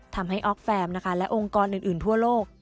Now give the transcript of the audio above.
ทำให้ออกแฟมนะคะและองค์กรอื่นทั่วโลก